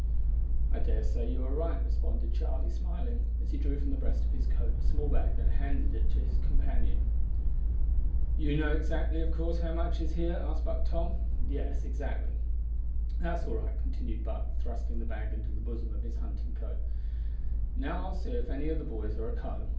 "I dare say you are right," responded Charlie, smiling, as he drew from the breast of his coat a small bag and handed it to his companion. "You know exactly, of course, how much is here?" asked Buck Tom. "Yes, exactly." "That's all right," continued Buck, thrusting the bag into the bosom of his hunting coat; "now I'll see if any o' the boys are at home.